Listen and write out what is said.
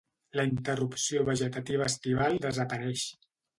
La interrupció vegetativa estival desapareix.